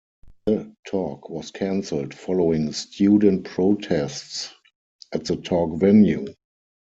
The talk was cancelled following student protests at the talk venue.